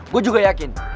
gue juga yakin